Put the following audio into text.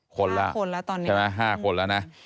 ๕๖คนละใช่ไหม๕คนละนะ